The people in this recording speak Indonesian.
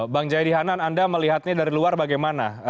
bang jayadi hanan anda melihatnya dari luar bagaimana